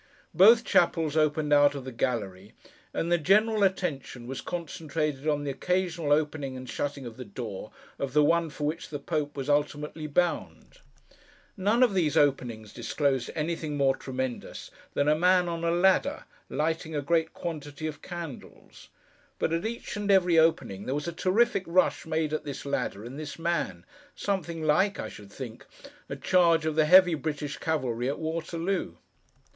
Both chapels opened out of the gallery; and the general attention was concentrated on the occasional opening and shutting of the door of the one for which the Pope was ultimately bound. None of these openings disclosed anything more tremendous than a man on a ladder, lighting a great quantity of candles; but at each and every opening, there was a terrific rush made at this ladder and this man, something like (I should think) a charge of the heavy British cavalry at Waterloo.